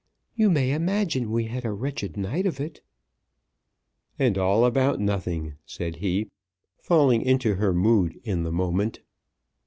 "You may imagine we had a wretched night of it." "And all about nothing," said he, falling into her mood in the moment.